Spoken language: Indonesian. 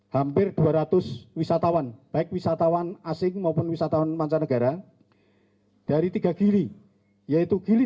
hampir dua ratus wisatawan baik wisatawan asing maupun wisatawan mancanegara dari tiga gili yaitu gili